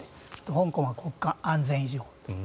香港は国家安全維持法。